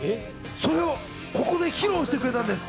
それをここで披露してくれたんです。